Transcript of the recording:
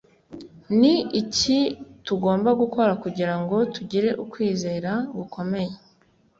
Ni iki tugomba gukora kugira ngo tugire ukwizera gukomeye